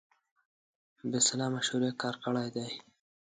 بې سلا مشورې کار کړی دی.